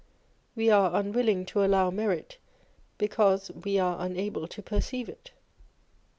We are unwilling to allow merit, because we are unable to perceive it.